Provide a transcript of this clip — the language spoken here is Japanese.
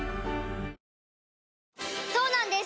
そうなんです